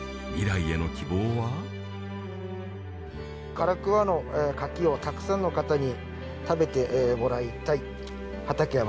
「唐桑の牡蠣をたくさんの方に食べてもらいたい畠山政也」。